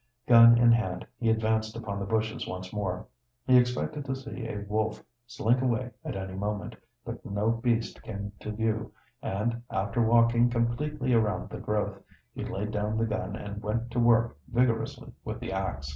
Gun in hand, he advanced upon the bushes once more. He expected to see a wolf slink away at any moment, but no beast came to view, and, after walking completely around the growth, he laid down the gun and went to work vigorously with the ax.